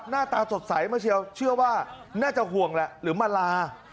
หน้าตาสดใสเชื่อว่าน่าจะห่วงแล้วหรือมาลา